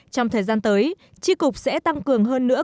trong thời gian tới tri cục sẽ tăng cường hơn nữa